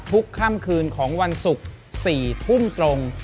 ค่ำคืนของวันศุกร์๔ทุ่มตรง